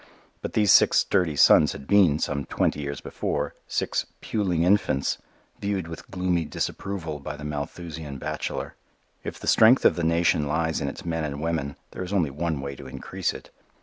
But these six sturdy sons had been, some twenty years before, six "puling infants," viewed with gloomy disapproval by the Malthusian bachelor. If the strength of the nation lies in its men and women there is only one way to increase it.